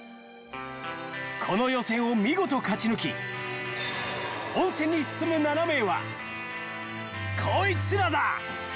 ［この予選を見事勝ち抜き本戦に進む７名はこいつらだ］